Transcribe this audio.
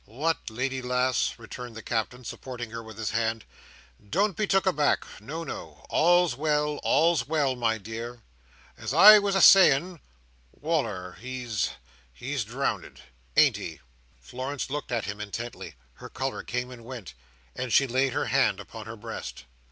"What! Lady lass," returned the Captain, supporting her with his hand, "don't be took aback. No, no! All's well, all's well, my dear. As I was a saying—Wal"r—he's—he's drownded. Ain't he?" Florence looked at him intently; her colour came and went; and she laid her hand upon her breast.